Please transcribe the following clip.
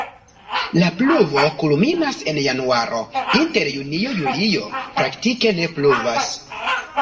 La pluvo kulminas en januaro, inter junio-julio praktike ne pluvas.